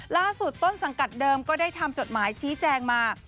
ล่าสุดต้นสังกัดเดิมก็ได้ทำจดหมายชี้แจงมา